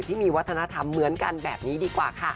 ที่มีวัฒนธรรมเหมือนกันแบบนี้ดีกว่าค่ะ